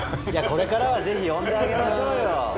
いやこれからは是非呼んであげましょうよ。